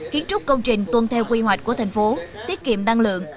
kiến trúc công trình tuân theo quy hoạch của thành phố tiết kiệm năng lượng